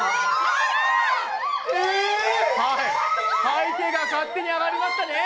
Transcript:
はい手が勝手に上がりましたね。